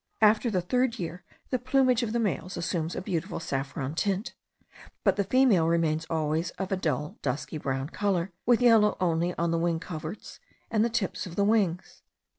After the third year the plumage of the males assumes a beautiful saffron tint; but the female remains always of a dull dusky brown colour, with yellow only on the wing coverts and tips of the wings.